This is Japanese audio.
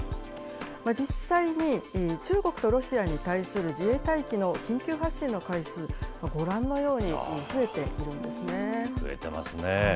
実際に、中国とロシアに対する自衛隊機の緊急発進の回数、ご覧のように増増えてますね。